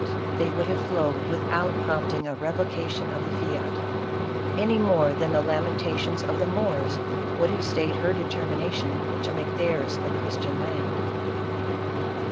they would have flowed without prompting a revoca tion of the fiat, any more than the lamentations of the Moors would have stayed her determination to make theirs a Christian land.